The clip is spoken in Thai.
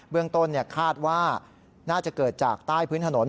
เรื่องต้นคาดว่าน่าจะเกิดจากใต้พื้นถนน